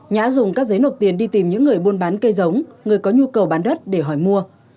nhã dùng các giấy nộp tiền đi tìm những người buôn bán cây giống người có nhu cầu bán đất để hỏi mua